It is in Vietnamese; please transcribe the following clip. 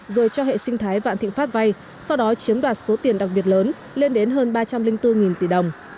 rồi cho hệ sinh thái vạn thịnh pháp vay sau đó chiếm đoạt số tiền đặc biệt lớn lên đến hơn ba trăm linh bốn tỷ đồng